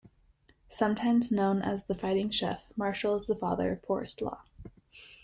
Sometimes known as "The Fighting Chef", Marshall is the father of Forest Law.